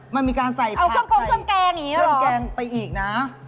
มันมีการใส่ผักใส่เครื่องแกงไปอีกนะ